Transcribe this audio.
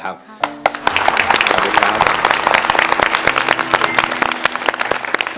ขอบคุณครับ